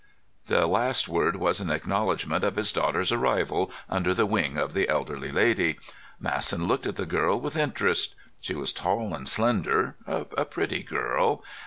The last word was an acknowledgment of his daughter's arrival under the wing of the elderly lady. Masson looked at the girl with interest. She was tall and slender—a pretty girl.